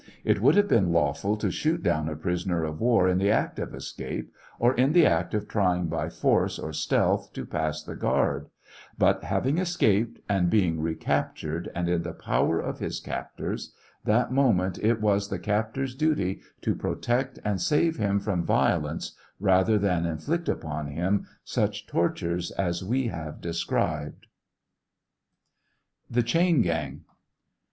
It would have been lawful to shoot down a prisoner of war in the act of escape, or in the act of trying by force or stealth to pass the guard; but having escaped and being recaptured, and in the power of his captors, that moment it was the captors' duty to protect and save him from violence, rather than inflict upon him such tortures as we have described. THE CHAIN GANG.